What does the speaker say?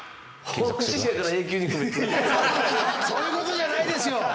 そういう事じゃないですよ！